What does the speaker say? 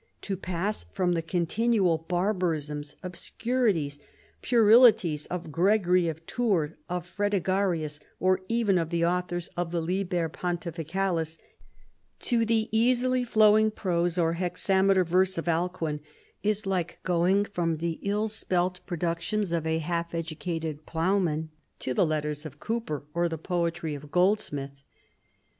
To pass from the continual barbarisms, obscurities, puerilities of Gregory of Tours, of Fredegarius, or even of the authors of the Liher Pontificalis, to the easily flow ing prose, or hexameter verse of Alcuin is like going from the ill spelt productions of a half edu cated ploughman to the letters of Cowper or the poetry of Goldsmith.